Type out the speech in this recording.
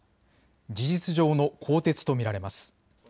事実上の更迭と見られます。